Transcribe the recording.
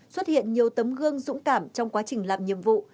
xuất hiện nhiều tấm gương dũng cảm trong quá trình làm nhiệm vụ